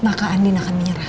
maka andin akan menyerah